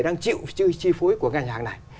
đang chịu chi phối của ngành hàng này